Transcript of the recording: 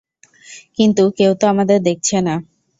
কিন্তু কেউ তো আমাদের দেখছে না।